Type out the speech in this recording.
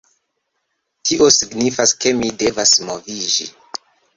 Tio signifas, ke mi devas moviĝi